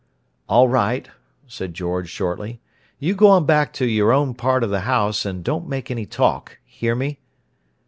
"All right," said George shortly. "You go on back to your own part of the house, and don't make any talk. Hear me?"